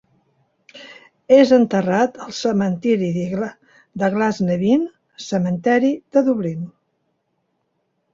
És enterrat al cementiri de Glasnevin Cemetery de Dublín.